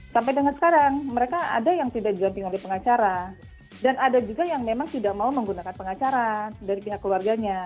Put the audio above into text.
sampai dengan sekarang mereka ada yang tidak didamping oleh pengacara dan ada juga yang memang tidak mau menggunakan pengacara dari pihak keluarganya